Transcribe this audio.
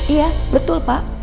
iya betul pak